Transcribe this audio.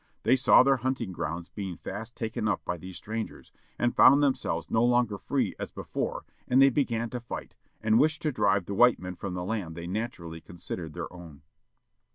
They saw their him ting groimds being fast taken up by these strangers, and found themselves no longer free as before and they began to fight, and wished to drive the white men from the land they naturally considered their JiJ| own.